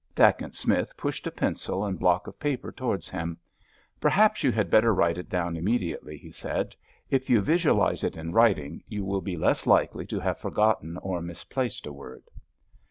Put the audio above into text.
Dacent Smith pushed a pencil and block of paper towards him. "Perhaps you had better write it down immediately," he said. "If you visualise it in writing you will be less likely to have forgotten or misplaced a word."